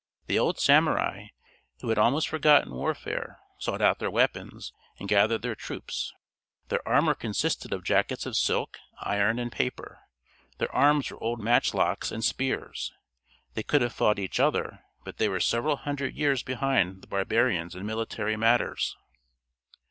The old samurai, who had almost forgotten warfare, sought out their weapons, and gathered their troops. Their armor consisted of jackets of silk, iron and paper. Their arms were old matchlocks and spears. They could have fought each other, but they were several hundred years behind the barbarians in military matters.